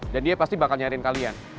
dan dia pasti bakal nyariin kalian